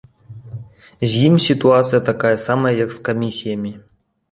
З ім сітуацыя такая самая, як з камісіямі.